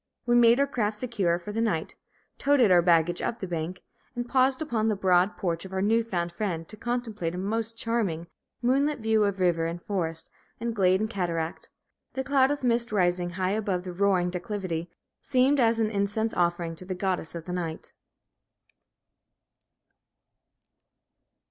We made our craft secure for the night, "toted" our baggage up the bank, and paused upon the broad porch of our new found friend to contemplate a most charming moonlit view of river and forest and glade and cataract; the cloud of mist rising high above the roaring declivity seemed as an incense offering to the goddess of the night.